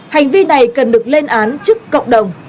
hành vi này cần được lên án trước cộng đồng